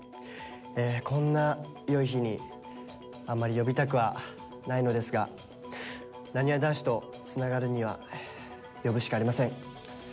こんな良い日にあんまり呼びたくはないのですがなにわ男子とつながるには呼ぶしかありません。